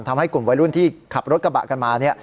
ทำให้กลุ่มวัยรุ่นที่ขับรถกระบะกันมา